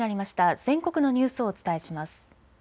全国のニュースをお伝えします。